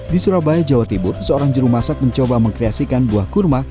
di surabaya jawa tibur seorang jurumasak mencoba mengkreasikan buah kurma